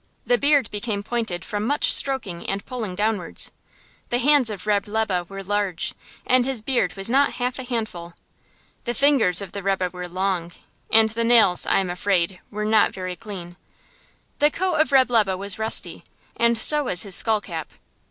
The beard became pointed from much stroking and pulling downwards. The hands of Reb' Lebe were large, and his beard was not half a handful. The fingers of the rebbe were long, and the nails, I am afraid, were not very clean. The coat of Reb' Lebe was rusty, and so was his skull cap.